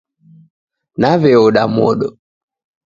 Naw'eoda modo.